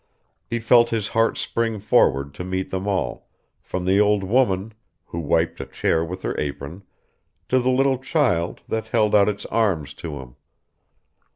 He felt his heart spring forward to meet them all, from the old woman, who wiped a chair with her apron, to the little child that held out its arms to him.